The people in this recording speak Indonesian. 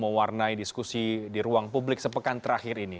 mewarnai diskusi di ruang publik sepekan terakhir ini